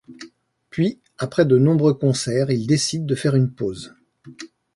Puis après de nombreux concerts, ils décident de faire une pause.